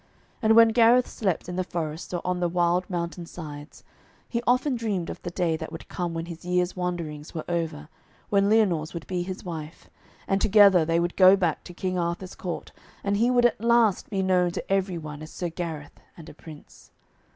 And when Gareth slept in the forests or on the wild mountain sides, he often dreamed of the day that would come when his year's wanderings were over, when Lyonors would be his wife, and together they would go back to King Arthur's court, and he would at last be known to every one as Sir Gareth and a prince.